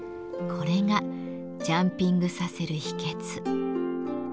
これがジャンピングさせる秘けつ。